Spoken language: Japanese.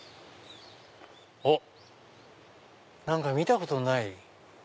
あっ何か見たことない。